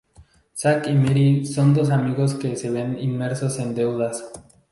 Zack y Miri son dos amigos que se ven inmersos en deudas.